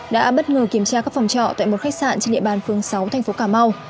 đã bất ngờ kiểm tra các phòng trọ tại một khách sạn trên địa bàn phương sáu thành phố cà mau